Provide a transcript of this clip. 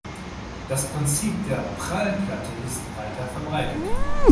Das Prinzip der Prallplatte ist weiter verbreitet.